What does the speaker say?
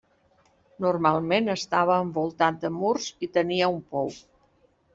Normalment estava envoltat de murs i tenia un pou.